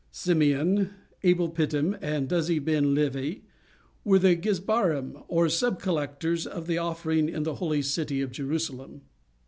Simeon, Abel Phittim, and Duzi Ben Levi were the Gizbarim, or sub collectors of the offering, in the holy city of Jerusalem.